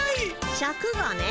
シャクがね。